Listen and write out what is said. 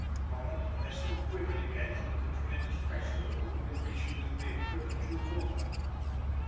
Our little vessel quivered again under the tremendous pressure with which she was being driven through the water.